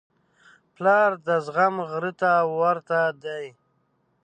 پلار د زغم غره ته ورته دی.